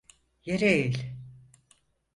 Yere eğil!